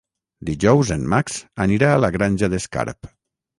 Dijous en Max anirà a la Granja d'Escarp.